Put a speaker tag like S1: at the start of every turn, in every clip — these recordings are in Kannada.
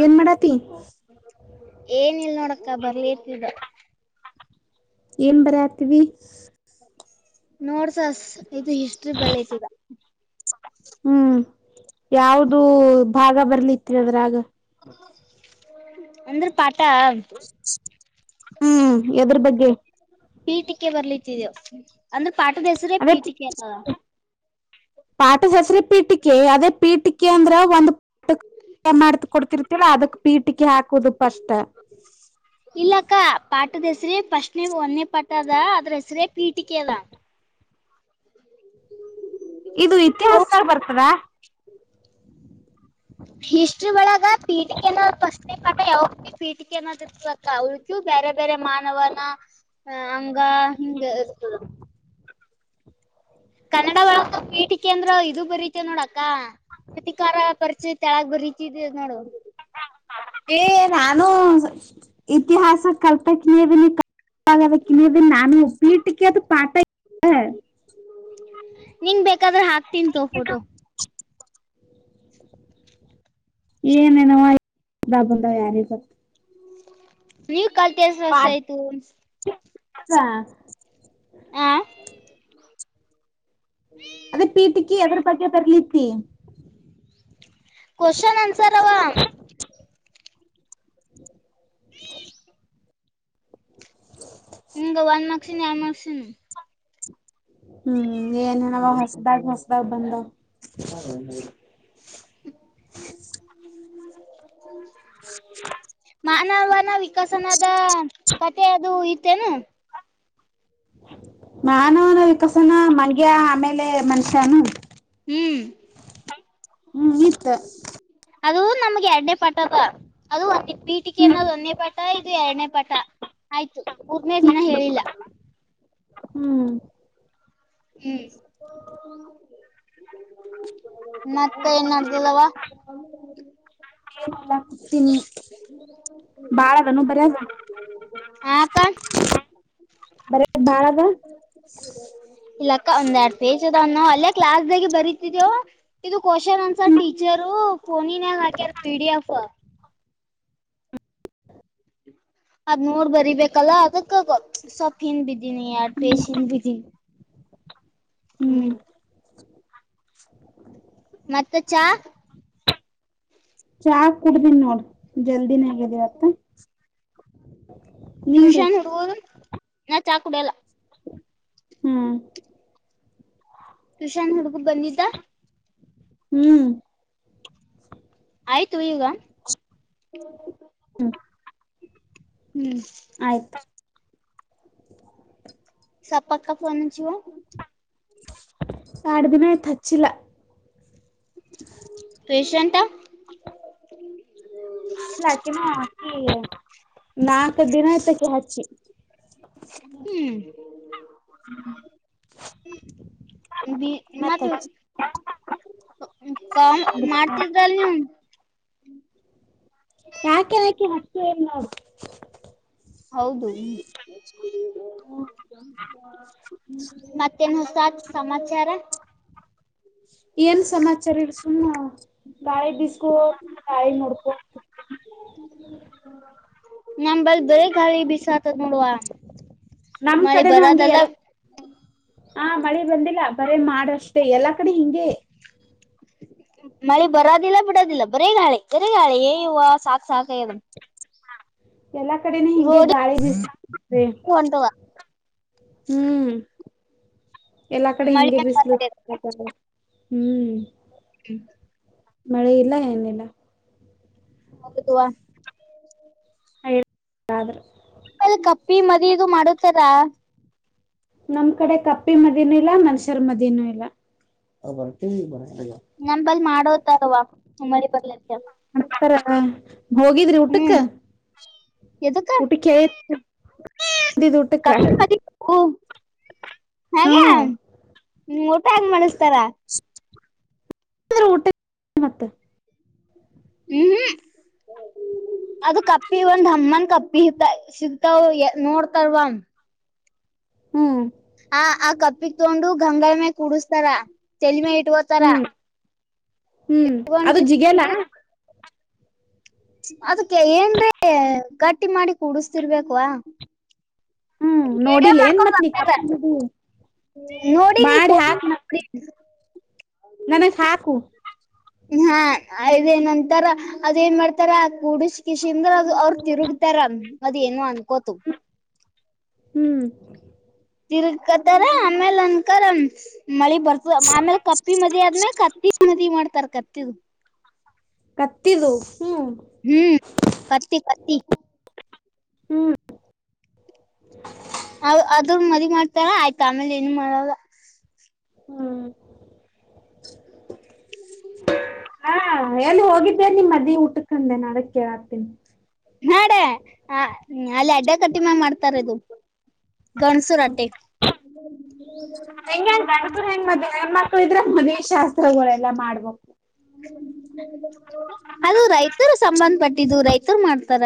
S1: ಏನ್ ಮಾಡತಿ
S2: ಏನಿಲ್ ನೋಡಕ್ಕ ಬರ್ಲಿ ಇರ್ತಿದ್ದ
S1: ಏನ್ ಬರತೀವಿ
S2: ನೋಡ್ಸ ಇದು ಹಿಸ್ಟ್ರಿ ಬಲೈತಗ
S1: ಹ್ಮ್ ಯಾವ್ದೂ ಭಾಗ ಬರ್ಲಿತಿರ ಅದ್ರಾಗ
S2: ಅಂದ್ರೆ ಪಾಟ
S1: ಹ್ಮ್ ಎದರ ಬಗ್ಗೆ
S2: ಪೀಟಿಕೆ ಬರ್ಲಿತ್ತಿದೇವು ಅಂದ್ರ ಪಾಠದ ಹೆಸರೇ ಪೀಟಿಕೆ ಅಲ್ಲದ
S1: ಪಾಠ ಸಸರಿ ಪೀಟಿಕೆ ಅದೇ ಪೀಟಿಕೆ ಅಂದ್ರ ಒಂದು ಟ ಮಾಡ್ ಕೊಡ್ತಿರ್ತಿಲ್ಲ ಅದಕ್ ಪೀಟಕಿ ಹಾಕ ಕುದುಪಷ್ಟ
S2: ಇಲ್ಲಕ್ಕ ಪಾಠದ ಹೆಸ್ರ ಫಸ್ಟ್ನ ಒಂದೇ ಪಾಠ ಅದ ಅದ್ರ ಹೆಸ್ರೇ ಪೀಟಿಕೆ ಅದ
S1: ಇದು
S2: ಅವು
S1: ಇತಿಹಾಸದಾಗ ಬರ್ತದ
S2: ಹಿಸ್ಟ್ರಿ ಒಳಗ ಪೀಟಿಕೆನ ಪಟ್ಟೆ ಪಠ ಯಾವ ಪೀಟಿಕನ್ನ ತಿತ್ಬೇಕ ಅವಗೂ ಬೇರೆ ಬೇರೆ ಮಾನವನ ಹ ಹಂಗ ಹಿಗೆ ಇತ ಕನ್ನಡಳ ಪೇಟಿಕೇ ಅಂದ್ರ ಇದು ಬರೀತಿ ನೋಡಕ್ಕ ಪ್ರತಿಕಾರ ಪರಿಚಯ ತಳಗ ಬರೀತಿ ನೋಡು
S1: ಏ ನಾನು ಇತಿಹಾಸ ಕಲ್ಪಕ್ ನೀನಿ ಕಿಣಿಯದ ನಾನು ವೀಟಕ್ಕೆ ಅದು ಪತ.
S2: ನಿನ್ ಬೇಕಾದ್ರೆ ಹಾಕ್ತಂತು ಫೋಟೋ. [inaudible]
S1: ಏನೇನವಾ ಬಂದ ಯಾರೇ ಸತ್ತು
S2: ನೀವ ಕಲ್ತಿಸ ವರ್ಷ ಆಯ್ತು.
S1: ಹಾ
S2: ಆಾ
S1: ಅದೇ ಪೀಟಿಕಿ ಅದ್ರ ಬಗ್ಗೆ ಬರ್ಲಿತಿ.
S2: ಕವಶನ್ ಅಂದ
S1: [inaudible]
S2: ನಿಂಗ ಒಂದ್ ಮಕ್ಸನ್ ಯಾವ ಮಕ್ಕ್ಷಿನ.
S1: [inaudible] ಹ್ಮ್ ಏನ್ಣವ ಹೊಸ್ದಾಗ ಹೊಸ್ದಾಗ್ ಬಂದು
S2: ಹ್ಮ
S1: [inaudible]
S2: ಮಾನವನ ವಿಕಸನದ ಕಥೆ ಅದು ಇತ್ತೇನು.
S1: ಮಾನವನ ವಿಕಸನ ಮಂಡ್ಯಾ ಆಮೇಲೆ ಮನುಷ್ಯನು.
S2: ಹ್ಮ್
S1: ಹ್ಮ್ ನೀತ್ತ
S2: ಅದು ನಮ್ಗೆ ಎರಡೇ ಪಟ ಅದ ಅದು ಒಂದ ಪೀಟಿಕೆ
S1: ಹ್ಮ್
S2: ಅನ್ನೋದು ಒಂದೇ ಪಟ ಇ ಎರಡನೇ ಪಟ ಆಯ್ತು ಮೂರ್ನೇ ದಿನ ಹೇಳಿಲ್ಲ.
S1: ಹ್ಮ್
S2: ಹ್ಮ್ ಮತ್ತೆ ಏನ್ ಮಾಡಡ್ತದವ.
S1: ಎಲ್ಲ ಕುತೀನಿ ಬಾಳ ಅದನ ಬರಿಲ್ಲ
S2: ಹಾತ್ತ
S1: ಬರ ಬಾಳದ
S2: ಒಂದ್ೆರಡು ಪೇಜ್ ಅದ ಅಲ್ಲೇ ಕ್ಲಾಸ್ ದಾಗ ಬರೀತಿದವು ಇದು ಕ್ವಶನ್ ಅನ್ಸರ್
S1: ಹ್ಮ್
S2: ಟೀಚರು. ೋನ ನ ಹಾಗಕೆ ಯ ಪಿಡಿಎಫ್
S1: ಹ
S2: ಅದ್ ನೋಡ್ ಬರಿೀಬೇಕಲ್ಲ ಅದಕ್ಕಗ ಸ್ೊಪ್ ಹಿಂದ ಬಿದ್ದೀನಿ ಯ ್ರೇಶ್ ಹಿಂದ್ ಬಿದ್ದೀನಿ
S1: [inaudible]
S2: ಹ್ಮ್
S1: [inaudible]
S2: ಮತ್ತ ಚಾ
S1: ಚಾ ಕುಡಬ ನೋಡ್ ಜಲ್ದಿನ ಹೇಗಿದ್ದೀವತ್ತ ನಿ್ದ
S2: ಟ್ಯೂಷನ್ ಹುಡುಗರು ನಾ ಚಾಕ್ ಕುಡ ಎಲ್ಲ
S1: ಹ್ಮ್
S2: ತುಷಾನ್ ಹುಡುಗು ಬಂದಿದ್ದ
S1: ಹ್ಮ್
S2: ಆಯ್ತು ಈಗ
S1: ಹ್ಮ್
S2: ಹ್ಮ್
S1: ಆಯ್ತಾ
S2: ಸಪಕ್ಕ ಫೋನ್ಚಿಳು
S1: ಎಡು ದಿನ ತಚ್ಚಿಲ್ಲ
S2: ಪ್ರಶಂತ
S1: ಇಲ್ಲಾಕ ನ ಅಕ್ಕಿ ನಾಕ ದಿನ ಆಯ್ತಕ ಹಚ್ಚಿ
S2: ಹ್ಮ್ ಹ್ಮ ಬಿ
S1: ಮತ್ತ್
S2: ಮತ್ತ
S1: ಹಚ್ಚಿ
S2: ಕ
S1: ಅದಕ್
S2: ಮಾರತಿ ಜಾಲ ನೀ
S1: ಯಾಕೆ ಯಾಕೆ ಹಷ್ಟು ಎಲ್ಲೋ
S2: ಹೌದು್ಮ ಮತ್ತೇನ್ ಹೊಸ ಸಮತ್ ವಿಚಾರ
S1: ಏನ್ ಸಮಾಚಾರ ಇಡ್ ಸು ಗಾಯಿ ಬಿಸ್ಕೋ ಗಾಯಿ ನೋಡ್ಕೋ
S2: ನಮಲ್ ಬೇ ಗಾಳಿ ಬಿಸಾತದ ನೋಡುವ
S1: ನಮ್
S2: ಮಳೆ
S1: ಕಡೆನುೂ ಹಗೆ
S2: ಬರೋದಲ್ಲ
S1: ಎಲ್ಲ ಹಾ ಮಳೆ ಬಂದಿಲ್ಲ ಬರ ಮಾಡಷ್ಟೆ ಎಲ್ಲಾ ಕಡೆ ಹಿಂಗಗೆ
S2: ಮಳಿ ಬರೋದಿಲ್ಲ ಬಿಡೋದಿಲ್ಲ ಬರೇಗ್ ಗಾಳೆ ಬರೇಗ್ ಗಾಳೆ ಏ ಇವ ಸಾಕಕ್ ಸಾಕ.
S1: ಎಲ್ಲಾ ಕಡೆನೆ ಹಿಗೆ
S2: ರೋಡಿ
S1: ಗಾಳಿ ಬ.
S2: ಹೊಂಟವ
S1: ಹ್ಮ್. ಎಲ್ಲಾ ಕಡೆ
S2: ಮಳಿ
S1: ಹಿಗೆ ಬಿಸಲು ಹ್ಮ್.
S2: ಹ್ಮ.
S1: ಮಳೆ ಇಲ್ಲ ಏನಿಲ್ಲ.
S2: ಅ ತವಾ [inaudible]
S1: ಹೇಳಾದ್ರ [inaudible]
S2: ಕಪ್ಪಿ ಮದಿ ಇದು ಮಾಡತಾರಾ.
S1: ನಮ್ ಕಡೆ ಕಪ್ಪಿ ಮದೀನೂ ಇಲ್ಲ ಮನ್ಸರ್ ಮದನೂ ಇಲ್ಲ.
S2: ನಮಂಬಲ್ ಮಾಡೋತಾರವಾ ಉಮ್ಮರಿ ಬರ್ಲ.
S1: ಹತರ ಹೋಗಿದ್ರಿ ಊಟಕ್ಕ.
S2: ಹ್ಮ್ ಎದಕ್ಕ
S1: ಹಟ್ಟಿಕ ಅಂದಿದಟ್ಟಕ [inaudible]
S2: ಹಾಗ್ಯಾ ಊಟಗ ಮಾಡಣಸ್ತಾರ.
S1: ಊಟ ಮತ್ತ [inaudible]
S2: ಹ್ಮ್ ಹ್ಮ. ಅದು ಕಪ್ಪಿ ಒಂದ್ ಅಮ್ಮನ್ ಕಪ್ಪಿ ಸಿಗ್ತಾವ ನೋಡ್ತಾರವ.
S1: ಹ್ಮ್.
S2: ಆ ಆ ಕಪ್ಪಿಗ್ ತಗೊಂಡು ಗಂಗ ಮೆ ಕುಡಸ್ತಾರ ತೆಲ್ಮೆ ಇಟ್ ಹೋತಾರ.
S1: ಹ್ಮ್ ಹ್ಮ್ ಅದು ಜಿಗನಾ.
S2: ಅದಕ್ಕೆ ಏನ್್ರೆ ಗಟ್ಟಿ ಮಾಡಿ ಕುಡಸ್ತಿರ್ಬೇಕವಾ.
S1: ಹ್ಮ್
S2: ವಿಡಿಯೋ
S1: ನೋಡಿಲ್ ಏನ್
S2: ಮಡಕೊಂಡ
S1: ಮತ್ ನೀ ಕಪ್ಪನ್ ಜೊಡಿ
S2: ಬರ್ತೀನಿ. ನೋಡಿ ನೀಫ.
S1: ನನಗೆ ಸಾಕು.
S2: ಹಾ ಅದೇ ನಂತರ ಅದ್ೇಏನ್ ಮಾಡ್ತಾರ ಕೂಡಿಸ ಕಷ ಅಂದ್ರ. ಅವ್ರ ತಿರುಗತಾರ ಮದ್ ಏನು ಅನ್ಕೋತ.
S1: ಹ್ಮ್.
S2: ತಿರುಕತಾರ ಆಮೇಲ್ ಅನ್ಕಾರರ. ಮಳಿ ಬರ್ತದ ಆಮೇಲೆ ಕಪ್ಪಿ ಮದ ಆದ್ಮಲೆ ಕತ್ತಿ ಮದಿ ಮಾಡ್ತಾರ ಕತ್ತಿದ.
S1: ಕತ್ತಿದು ಹ್ಮ್
S2: ಹ್ಮ್ ಪತ್ತ ಪತ್ತಿ.
S1: ಹ್ಮ್.
S2: ಅದ್ರ ಮದಿ ಮಾಡ್ತಾರ ಆಯ್ತ ಆಮೇಲೆ ಏನು ಮಾಡಲ್ಲ.
S1: ಹ್ಮ್. ಹಾ ಎಲ್ಲಿ ಹೋಗಿದ್ದೆ ನಿಮ್ಮ ಮದಿ ಊಟಕಂಡೆ ನ ಅಡ ಕೇಳ ಹಾಕ್ತೀನಿ.
S2: ನಾಡೆ ಹ ಅಲ್ಲಿ ಅಡ್ಡ ಕಟ್ಟಿಮೆ ಮಾಡ್ತಾರ ಇದು. ಗಣಸು ರೊಟ್ಟಿ
S1: ಹೆಂಗಗೆ ಅಣಪುರ ಹೆಣ್ ಮದ [inaudible] ಹೆಣ್ಣು ಮಕ್ಕಳಿದ್ರಾ ಮನೆ ಶಾಸ್ತ್ರಗಳೆಲ್ಲಾ ಮಾಡ್ಬೇಕು.
S2: ಅದು ರೈತರು ಸಂಬಂಧ ಪಟ್ಟಿದ್ದು ರೈತರು ಮಾಡ್ತ. ತರ.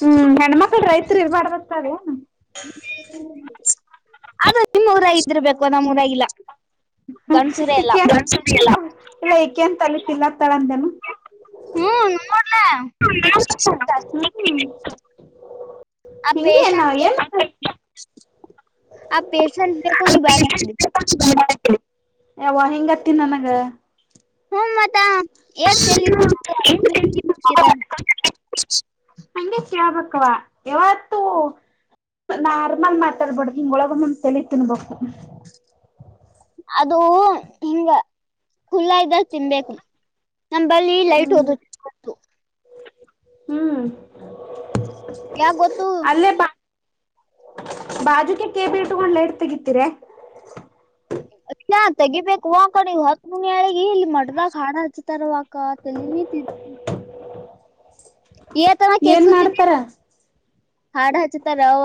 S1: ಹ್ಮ್ ಹೆಣ್ಮಕ್ಳ ರೈತ್ರು ಇ ಮಾಡಾ ಬರ್ತಾವ.
S2: ಅದು ನಿಮ್ಮ್ ಊರ ಇದರ್ಬೇಕು ನಮ್ಮ್ ಊರ ಇಲ್ಲ.
S1: ಇಲ್ಲ ಇಕೆ ಅಂತಲತಿಲ್ಲ ತಳಂದೇನು [inaudible]
S2: ಹ್ಮ್ ನೋ
S1: ಹ [unintelligible]
S2: ಆ
S1: ಹಿಂಗಗೆ ನ
S2: ಪೇಶಂಟ್
S1: ಏನ್ತ
S2: ಆ ಪೇಷೆಟ್ ನೀ ಬ
S1: ಏ ವಲ್ಯ ಅತ್ತಿ ನನಗ
S2: ಹ ಮತ್ತಾ
S1: ಹಗೆ ಕೇಳಬೇಕವಾ ಯಾವತ್ತು. ನಾ ನಾರ್ಮಲ್ ಮಾತಾಡ್ಬಾರಡ್ದ ಹಿಂಗೊಳಗ್ ತಲ್ಲಿ ತಿನ್ಬ.
S2: ಅದು ಹಿಂಗ ಖುಲ್ಲ ಇದ್ದಾಗ ತಿನ್ಬೇಕು ನಂಬಲ್ಲಿ ಲೈಟ್ ಹಓದ
S1: ಹ್ಮ್
S2: ಯಾಕ ಗೊತ್ತು
S1: ಅಲ್ಲೇ ಬಾಜುಕ ಕೆೇಬಿ ಇಟ್ಕೊಂಡ್ಟ್ ಲೈಟ್ ತೆಗತಿರ
S2: ತೆಗಿಬೇಕು ಆ ಕಡೆ ಹೊತ್ತ ಮುನಿಗಿ ಏ ಇಲ್ಲಿ ಮಟದಾಗ ಹಾಡು ಹಚ್ತಾರವಕ್ಕ ತಲಿನ ತಿ ಹೇಳ್ತಾನೆ
S1: ಏನ್
S2: ಕೆಳಸಕತೇತಿ
S1: ಮಾಡ್ತಾರ
S2: ಏನು ಅಡಚರೆವ.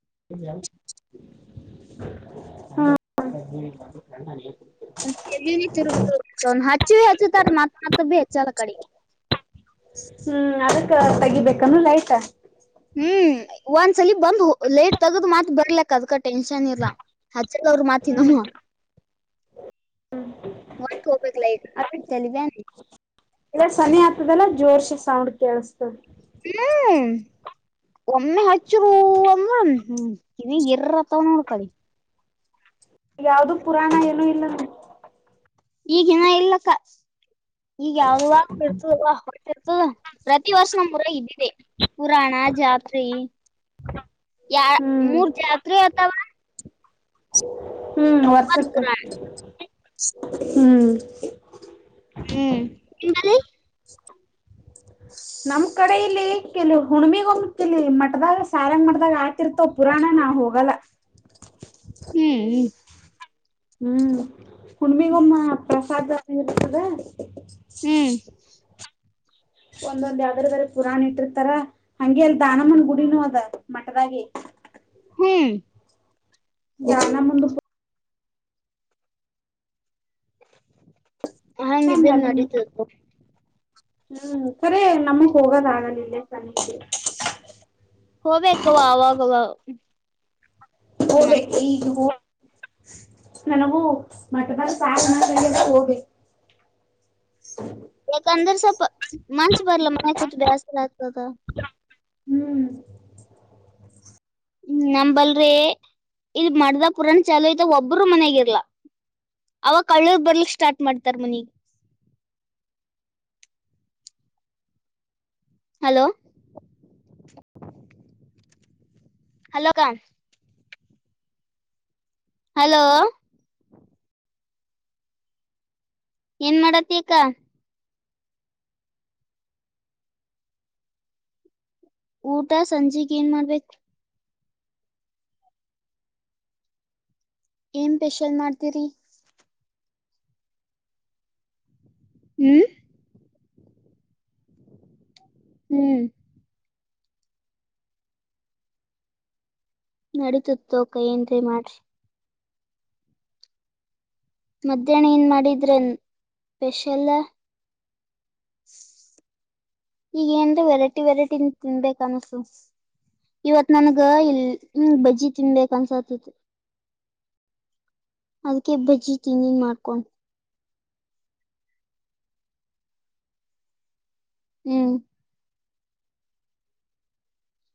S1: ಹ
S2: ತಿರುಗ ಹಚ್ಚಿ ಹಚ್ಚತಾರ ಮತ್ ಮತ್ ಭ ಹೆಚ್ಚಲ್ಲ ಕಡೆ
S1: ಹ್ಮ್ ಅದಕ್ ತಗಿಬೇಕಾನ ಲೈಟ್
S2: ಹ್ಮ್ ಒಂದ್ಸಲಿ ಬಂದ್ ಲೇಟ್ ತಗದು ಮಾತ್ ಬರ್ಲಕ್ ಅದ್ ಕಟ್ಟ ಟೆನ್ಷನ್ ಇರ್ಲ್ಲ ಹಚ್ಚಲ್ಲ ಅವರು
S1: ಹ್ಮ್
S2: ಮಾತಿನಮ್ಮ ಮತ್ತ ಹೋಗ್ಬೇಕ ತೆಲಿಬ್ಯಾನಿ
S1: ಇಲ್ಲ ಸನಿ ಆಗ್ತದಲ್ಲ ಜೋರ್ಶಿ ಸೌಂಡ್ ಕೇಳಸ್ತದೆ
S2: ಹ್ಮ ಒಮ್ಮೆ ಹಚ್ಚರು ಅಂದ್ರ ಹ್ಮ ಕಿವಿ ಗಿರ ನೋಡ್ಕಳಿ
S1: ಯಾವ್ದು ಪುರಾಣ ಏನು ಇಲ್ಲದೆ
S2: ಈಗಿನ ಇಲ್ಲಕ್ಕ ಈಗ ಯಾವ್ದತಿರ್ತ ಹೊತಿರ್ತ ಪ್ರತಿ ವರ್ಷ ನಮ್ಮ್ಊರಗ ಇದ್ದಿದೆ ಪುರಾಣ ಜಾತ್ರಿ ಯ
S1: ಹ್ಮ್
S2: ಮೂರ್ ಜಾತ್ರೆ ಅತವಾ
S1: ಹ್ಮ್ ವರ್ಷಕ್ಕೆ
S2: ಪುರಾಣ
S1: ಹ್ಮ್
S2: ಹ್ಮ್
S1: ನಮ್ ಕಡೆ ಇಲ್ಲಿ ಕೆ ಹುಣಿಮಿಗ್ ಒಮತಿಲ್ಲಿ ಮಟದಾಗ ಸಾರಂಗ ಮಾಡ್ದಾಗ ಆತಿರ್ತವ ಪುರಾಣ ನಾವು ಹೋಗಲ್ಲ
S2: ಹ್ಮ್ ಹ್ಮ
S1: ಹ್ಮ ಹುಣ್ಣಿಮೆ ಗೊಮ್ ಪ್ರಸಾದ್ ಇರ್ತದ
S2: ಹ್ಮ್
S1: ಒಂದೊಂದ್ ಯಾವ್ದ್ರ್ರ ಪುರಾಣ ಇಟ್ಟಿರ್ತಾರ ಹಂಗೆ ಅಲ್ ದಾನಮ್ಮನ್ ಗುಡಿನೂ ಅದ ಮಠದಾಗಿ
S2: ಹ್ಮ್
S1: ಧ್ಯಾನ ಮದು
S2: ಹಂಗ
S1: ಚಂದ
S2: ಇದಿದ್ದೇಲ್ಲಿ
S1: ಅಲ್ಲಿನು
S2: ನಡೀತತ್ತು
S1: ಹ್ಮ್ ಸರಿ ನಮಗ್ ಹೋಗೋದ ಆಗಲಿಲ್ಲ ಸಮನಿ
S2: ಹೋಗ್ಬೇಕವಾ ಅವವಾಗವ
S1: ಹೋಗ್ಬೇಕು ಈಗ ಹ ನನಗೂ ಮಠದ ಸಾವ ಹೋಗಬೇಕು [inaudible]
S2: ಎ ಅಂದರ್ಸ ಮಂಚ ಭರಲ ಮನೆ ಕು ಬ್ಯಾಸ ಲತ
S1: ಹ್ಮ್
S2: ಹ್ಮ ನಮಂಬಲ್ರಿ ಇಲ್ಲಿ ಮಾಡಡ್ದ ಪುರಾಣ ಚಲೋಯತ ಒಬ್ಬರು ಮನ್ಗಿರ್ಲಾ ಅವ ಕಳ್ಳೂರ್ ಬರ್ಲಿ ಸ್ಟಾರ್ಟ್ ಮಾಡ್ತಾರ ಮನಗೆ ಹಲೋ ಹಲೋಕ ಹಲೋ ಏನ್ ಮಾಡತಿ ಅಕ್ಕ ಊಟ ಸಂಜೆಗ್ ಏನ್ ಮಾಡ್ಬೇಕು ಏನ್ ಸ್ಪೆಷಲ್ ಮಾಡ್ತೀರಿ ಹ್ಮ್ ಹ್ಮ್ ನಡೀತ ತ ಕ ಏನ್ ಮಾಡ್ರಿ ಮಧ್ಯಾಹ್ನ ಏನ್ ಮಾಡಿದ್ರನ್ ಸ್ಪೆಷಲ್
S1: ಹ
S2: ಈಗ ಏನ್ ವೆರೈಟಿ ವೆರೈಟಿನ್ ತಿನ್ಬೇಕ ಅನ್ಸು ಇವತ್ ನನ್ಗ ಇಲ್ ಹ್ಮ ಬಜ್ಜಿ ತಿನ್ಬೇಕ ಅನ್ಸತಿತ್ತು ಅದ್ಕ ಬಜ್ಜಿ ತಿನ್ನಿನ್ ಮಾಡ್ಕೊಂಡ ಹ್ಮ್